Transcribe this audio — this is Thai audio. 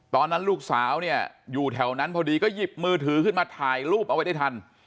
ตอนนั้นลูกสาวเนี่ยอยู่แถวนั้นพอดีก็หยิบมือถือขึ้นมาถ่ายรูปเอาไว้ได้ทัน